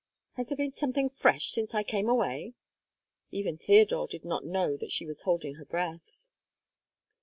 "Has there been something fresh since I came away?" And even Theodore did not know that she was holding her breath.